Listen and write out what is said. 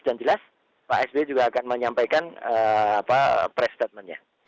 dan jelas pak s b juga akan menyampaikan pres statementnya